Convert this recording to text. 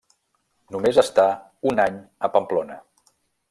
Només està un any a Pamplona.